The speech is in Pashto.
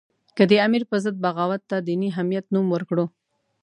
که د امیر په ضد بغاوت ته دیني حمیت نوم ورکړو.